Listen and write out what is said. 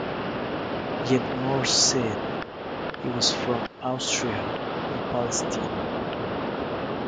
Yet more said he was from Austria, or Palestine.